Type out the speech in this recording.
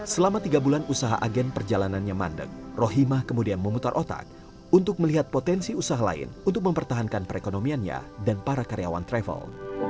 selama tiga bulan usaha agen perjalanannya mandek rohimah kemudian memutar otak untuk melihat potensi usaha lain untuk mempertahankan perekonomiannya dan para karyawan travel